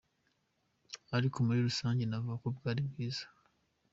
“Ariko muri rusange, navuga ko bwari bwiza.